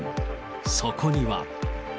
そこには。